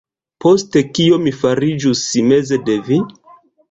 Poste kio mi fariĝus meze de vi?